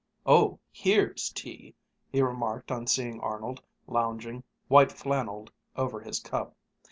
"Oh, here's tea!" he remarked on seeing Arnold, lounging, white flanneled, over his cup.